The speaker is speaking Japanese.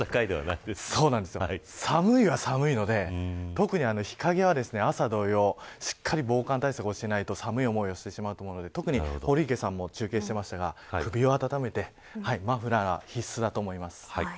寒いは、寒いので特に、日陰は朝同様しっかり防寒対策をしないと寒い思いをしてしまうと思うので堀池さんも中継していましたが首を温めてマフラーは必須だと思います。